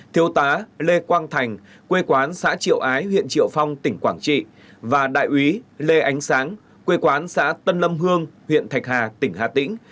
thiếu tá lê quang thành quê quán xã triệu ái huyện triệu phong tỉnh quảng trị và đại úy lê ánh sáng quê quán xã tân lâm hương huyện thạch hà tỉnh hà tĩnh